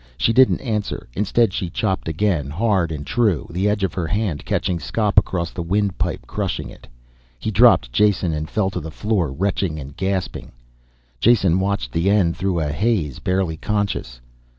She didn't answer. Instead she chopped again, hard and true, the edge of her hand catching Skop across the windpipe, crushing it. He dropped Jason and fell to the floor, retching and gasping. Jason watched the end through a haze, barely conscious.